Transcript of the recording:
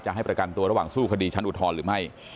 ให้ประกันตัวระหว่างสู้คดีชั้นอุทธรณ์หรือไม่